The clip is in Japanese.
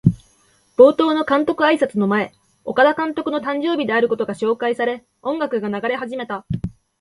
冒頭の監督あいさつの前、岡田監督の誕生日であることが紹介され、音楽が流れ始めた。